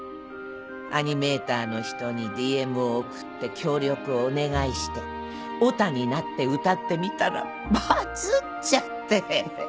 アニメーターの人にＤＭを送って協力をお願いしてオタになって歌ってみたらバズっちゃって。